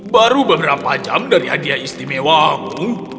baru beberapa jam dari hadiah istimewaku